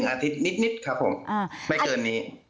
อาทิตย์นิดครับผมไม่เกินนี้